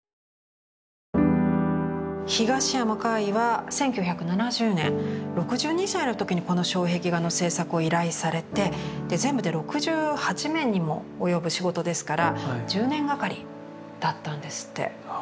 東山魁夷は１９７０年６２歳の時にこの障壁画の制作を依頼されて全部で６８面にも及ぶ仕事ですから１０年がかりだったんですって。